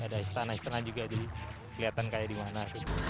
ada istana istana juga jadi kelihatan kayak di mana